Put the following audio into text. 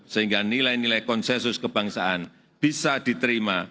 sehingga nilai nilai konsensus kebangsaan bisa diterima